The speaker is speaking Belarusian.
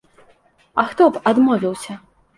А хто б адмовіўся?